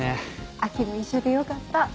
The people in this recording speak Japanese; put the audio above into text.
亜季も一緒でよかった。